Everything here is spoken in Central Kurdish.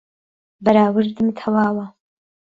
بەراوردم تەواوە